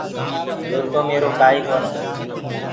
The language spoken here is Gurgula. يو تو ميرو ڪآ ئيٚ ڪونآ۔